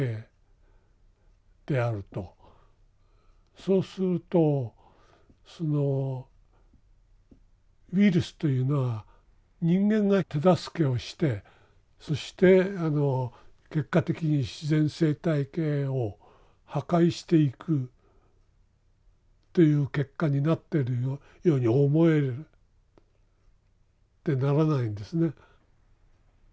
そうするとそのウイルスというのは人間が手助けをしてそしてあの結果的に自然生態系を破壊していくという結果になってるように思えてならないんですね。